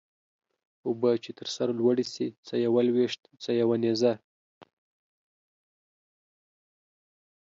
اوبه چې تر سر لوړي سي څه يوه لويشت څه يو نيزه.